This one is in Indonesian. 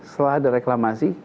setelah ada reklamasi